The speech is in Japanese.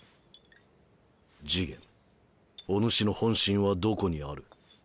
次元お主の本心はどこにある？